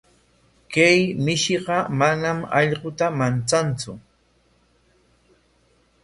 Kay mishiqa manam allquta manchantsu.